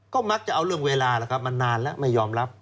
ก็มักจะเอาเรื่องเวลามานานแล้วไม่ยอมรับ